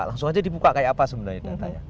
langsung saja dibuka seperti apa sebenarnya datanya